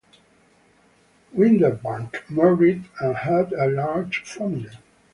Windebank married and had a large family.